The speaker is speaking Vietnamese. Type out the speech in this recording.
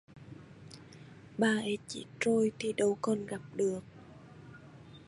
bà ấy chết rồi thì đâu còn gặp được